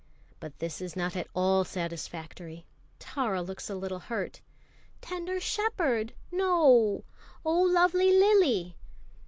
But this is not at all satisfactory. Tara looks a little hurt. "Tender Shepperd, no! Oh, luvvly lily!"